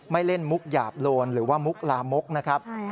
ไม่เล่นมุกหยาบโลนหรือว่ามุกลามกนะครับ